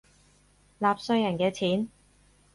納稅人嘅錢